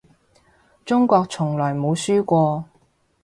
中國從來冇輸過